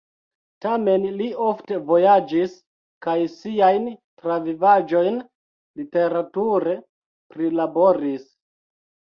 Tamen li ofte vojaĝis kaj siajn travivaĵojn literature prilaboris.